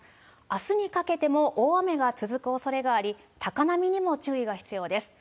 あすにかけても大雨が続くおそれがあり、高波にも注意が必要です。